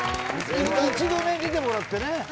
一度ね出てもらってね。